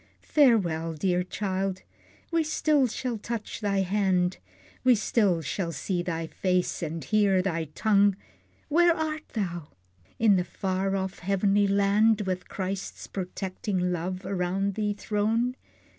Farewell, dear child! We still shall touch thy hand, We still shall see thy face, and hear thy tongue. Where art thou? In the far off heavenly land, With Christ's protecting love around thee thrown?